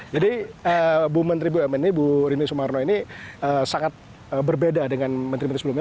jadi bu menteri bu mn ini bu rini sumarno ini sangat berbeda dengan menteri menteri sebelumnya